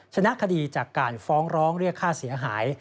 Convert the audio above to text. ชนะคดีจากการฟ้องร้องเรียกค่าเสียหาย